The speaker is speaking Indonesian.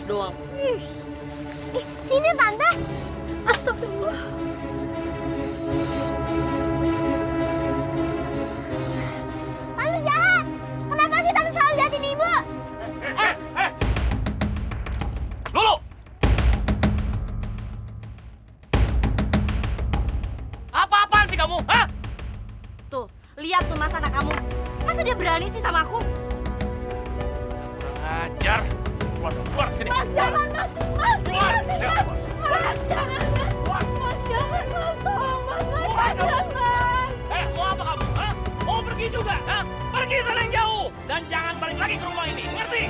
dan jangan balik lagi ke rumah ini ngerti